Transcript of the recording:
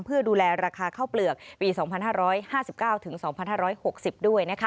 เพื่อดูแลราคาข้าวเปลือกปี๒๕๕๙ถึง๒๕๖๐ด้วย